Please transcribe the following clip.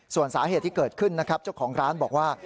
ส่วนสาเหตุที่เกิดขึ้นนะครับเจ้าของร้านบอกว่า